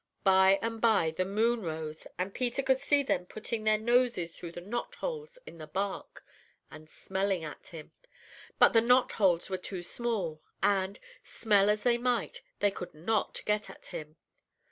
"By and by the moon rose, and Peter could see them putting their noses through the knotholes in the bark, and smelling at him. But the knotholes were too small, and, smell as they might, they could not get at him.